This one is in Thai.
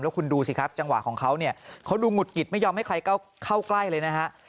คุณดูสิครับจังหวะของเขาเนี่ยเขาดูหงุดหงิดไม่ยอมให้ใครเข้าใกล้เลยนะฮะ